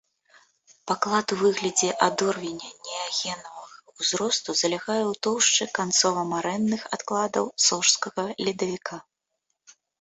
Паклад у выглядзе адорвеня неагенавага ўзросту залягае ў тоўшчы канцова-марэнных адкладаў сожскага ледавіка.